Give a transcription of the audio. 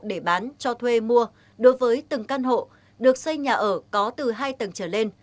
để bán cho thuê mua đối với từng căn hộ được xây nhà ở có từ hai tầng trở lên